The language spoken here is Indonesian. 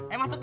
eh masuk dah